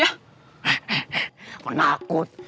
eh eh eh menakut